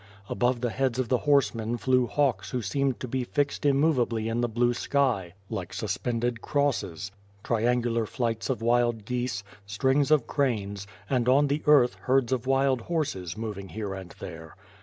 Above the heads of the horsemen flew hawks who seemed to be fixed immovably in the blue sky, like suspended crosses; triangular flights of wild geese; strings of cranes; and on the earth, herds of wild horses, moving here and there.